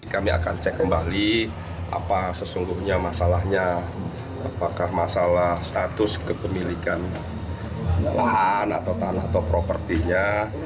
kami akan cek kembali apa sesungguhnya masalahnya apakah masalah status kepemilikan lahan atau tanah atau propertinya